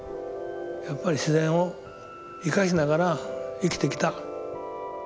やっぱり自然を生かしながら生きてきた。